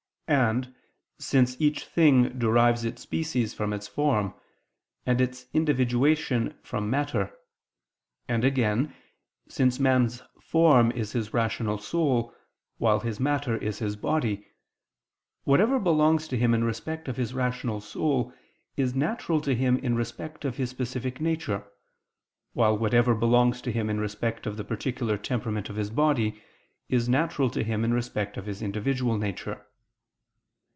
And, since each thing derives its species from its form, and its individuation from matter, and, again, since man's form is his rational soul, while his matter is his body, whatever belongs to him in respect of his rational soul, is natural to him in respect of his specific nature; while whatever belongs to him in respect of the particular temperament of his body, is natural to him in respect of his individual nature.